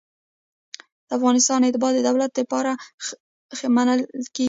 د افغانستان اتباع د دولت د خدمت لپاره منل کیږي.